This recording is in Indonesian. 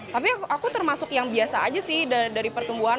tapi aku termasuk yang biasa aja sih dari pertumbuhan